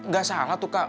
gak salah tuh kak